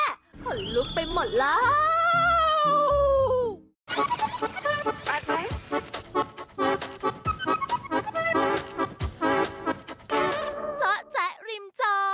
ขนลุกไปหมดแล้ว